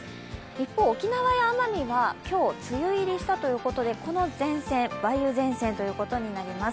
一方、沖縄や奄美は今日、梅雨入りしたということでこの前線、梅雨前線ということになります。